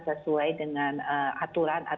sesuai dengan aturan